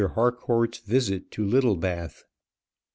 HARCOURT'S VISIT TO LITTLEBATH.